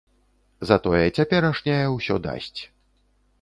Затое цяперашняя ўсё дасць.